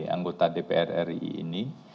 anggota dpr ri ini